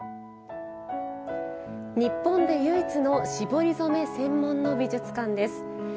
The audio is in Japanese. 日本で唯一の絞り染め専門の美術館です。